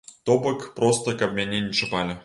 То бок проста каб мяне не чапалі.